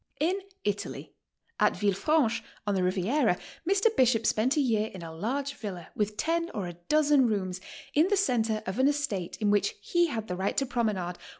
IN ITALY: At Villefranche, on the Riviera, Mr. B'khop spent a year in a large villa, with ten or a dozen rooms, in the centre of an estate in which he had the right to promenade.